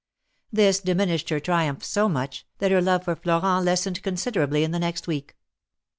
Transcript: This diminished her triumph so much, that her love for Florent lessened considerably in the next week.